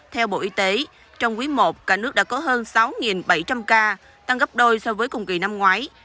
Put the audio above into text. theo bộ y tế trong quý i cả nước đã có hơn sáu bảy trăm linh ca tăng gấp đôi so với cùng kỳ năm ngoái